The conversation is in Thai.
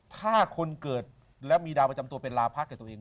ถ้าคนเกิดแล้วมีดาวประจำตัวเป็นลาพักกับตัวเอง